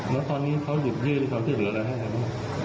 แล้วตอนนี้เขาหยุดเยี่ยมหรือเขาเสนออะไรให้หนู